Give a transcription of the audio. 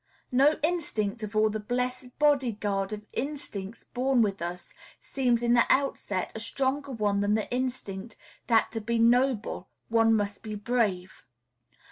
No instinct of all the blessed body guard of instincts born with us seems in the outset a stronger one than the instinct that to be noble, one must be brave.